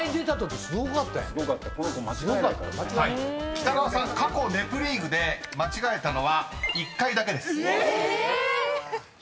北川さん過去『ネプリーグ』で間違えたのは１回だけです］え！